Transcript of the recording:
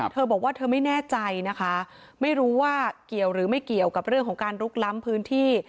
เธอบอกว่าเธอไม่แน่ใจนะคะไม่รู้ว่าเกี่ยวหรือไม่เกี่ยวกับเรื่องของการลุกล้ำพื้นที่